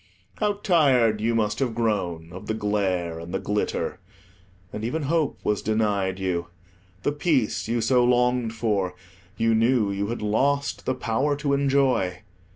How tired you must have grown of the glare and the glitter! And even hope was denied you. The peace you so longed for you knew you had lost the power to enjoy.